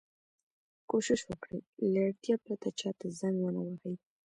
کوشش وکړئ! له اړتیا پرته چا ته زنګ و نه وهئ.